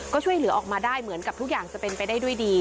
ก็ช่วยเหลือออกมาได้เหมือนกับทุกอย่างจะเป็นไปได้ด้วยดี